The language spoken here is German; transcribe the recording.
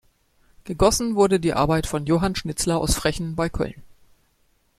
Gegossen wurde die Arbeit von Johann Schnitzler aus Frechen bei Köln.